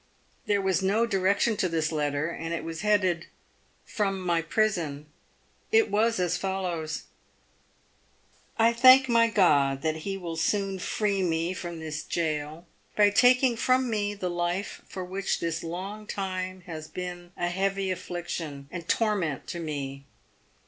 There was no direction to this letter, and it was headed, " From my prison." It was as follows :— 11 1 thank my God that he will soon free me from this gaol, by taking from me the life which for this long time has been a heavy affliction and torment to me.